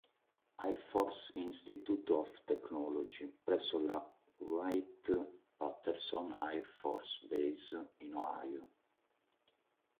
Air Force Institute of Technology", presso la Wright-Patterson Air Force Base in Ohio.